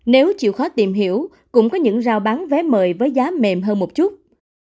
nếu chịu khó tìm hiểu cũng có những rào bán vé mời với giá mềm hơn một chút